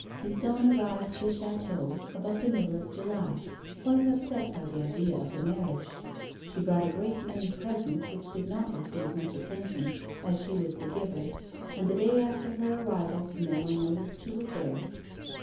Lison arrived at the chateau about the middle of July, quite upset by the idea of the marriage ; she brought a great many presents which did not receive much attention as she was the giver, and the day after her arrival no one noticed shcwas there.